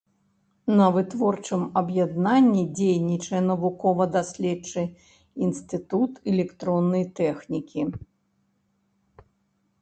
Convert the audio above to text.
На вытворчым аб'яднанні дзейнічае навукова-даследчы інстытут электроннай тэхнікі.